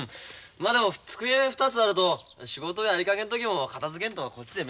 まあでも机２つあると仕事やりかけの時も片づけんとこっちで飯食えるし。